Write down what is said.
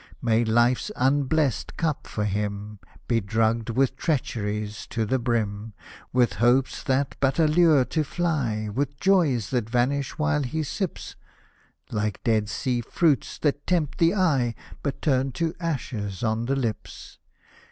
May Life's unblessed cup for him Be drugged with treacheries to the brim, — With hopes, that but allure to fly, With joys, that vanish while he sips, Like Dead Sea fruits, that tempt the eye, But turn to ashes on the lips